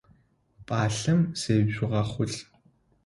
Пӏалъэм зежъугъэхъулӏ!